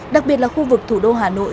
đặc biệt là khu vực thủ đô hà nội